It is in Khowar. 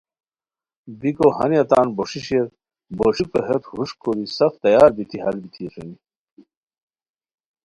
بیکو ہانیہ تان بوݰی شیر بوݰیکو ہیت ہوݰ کوری سف تیار بیتی ہال بیتی اسونی